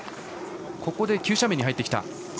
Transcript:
ここで急斜面に入ってきた。